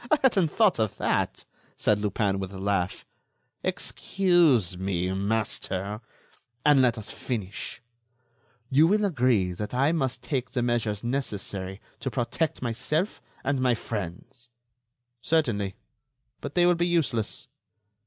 "I hadn't thought of that," said Lupin, with a laugh. "Excuse me, master ... and let us finish. You will agree that I must take the measures necessary to protect myself and my friends." "Certainly; but they will be useless."